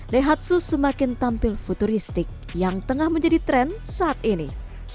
daihatsu semakin tampil futuristik yang tengah menjadi tren saat ini